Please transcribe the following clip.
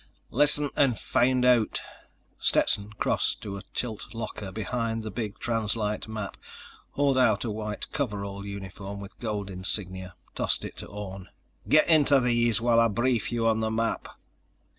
"Listen, and find out." Stetson crossed to a tilt locker behind the big translite map, hauled out a white coverall uniform with gold insignia, tossed it to Orne. "Get into these while I brief you on the map."